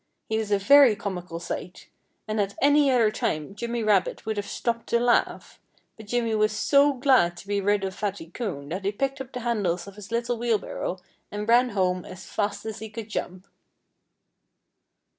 He was a very comical sight. And at any other time Jimmy Rabbit would have stopped to laugh. But Jimmy was so glad to be rid of Fatty Coon that he picked up the handles of his little wheelbarrow and ran home as fast as he could jump.